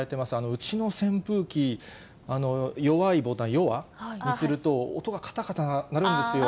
うちの扇風機、弱いボタン、弱にすると、音がかたかた鳴るんですよ。